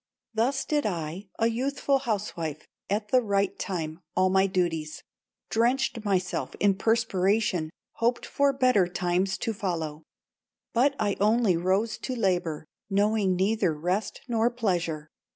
"Thus did I, a youthful housewife, At the right time, all my duties, Drenched myself in perspiration, Hoped for better times to follow; But I only rose to labor, Knowing neither rest nor pleasure.